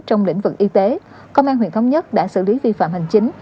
trong lĩnh vực y tế công an huyện thống nhất đã xử lý vi phạm hành chính